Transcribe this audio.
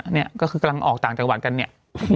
เนี่ยก็คือกำลังออกต่างจังหวัดกันเนี่ย